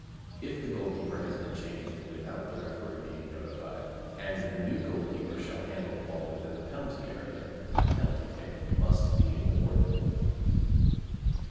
(If the goalkeeper has been changed without the referee being notified, and the new goalkeeper shall handle the ball within the penalty area, a penalty kick must be awarded.)